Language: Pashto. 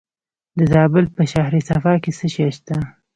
د زابل په شهر صفا کې څه شی شته؟